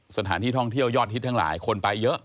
สถานที่ท่องเที่ยวยอดฮิตทั้งหลายคนไปเยอะ